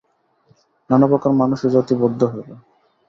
নানাপ্রকার মানুষ ও জাতি বৌদ্ধ হইল।